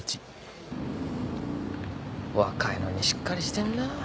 若いのにしっかりしてんな。